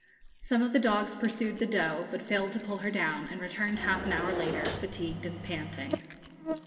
Some of the dogs pursued the doe, but failed to pull her down, and returned half an hour later fatigued and panting.